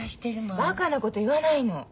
バカなこと言わないの。